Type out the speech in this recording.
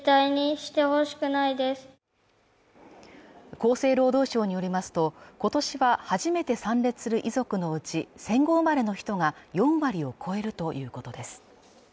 厚生労働省によりますとことしは初めて参列する遺族のうち戦後生まれの人が４割を超えるということです